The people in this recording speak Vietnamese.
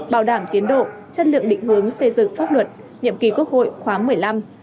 bảo đảm tiến độ chất lượng định hướng xây dựng pháp luật nhiệm kỳ quốc hội khóa một mươi năm